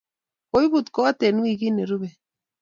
Koibut kot eng wikit ne rubei